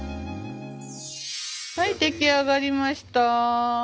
はい出来上がりました。